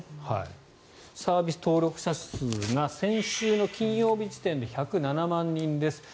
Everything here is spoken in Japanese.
サービス登録者数が先週の金曜日時点で１０７万人です。